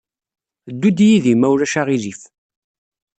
Ddu-d yid-i, ma ulac aɣilif.